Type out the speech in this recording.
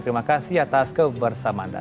terima kasih atas kebersamaan anda